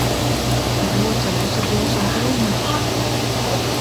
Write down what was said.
Brūce nesadzīs un pūžņos taču.